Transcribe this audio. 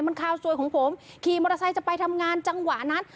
มันคาวซวยของผมขี่มอเตอร์ไซค์จะไปทำงานจังหวะนั้น